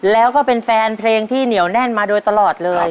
แล้วก็เป็นแฟนเพลงที่เหนียวแน่นมาโดยตลอดเลย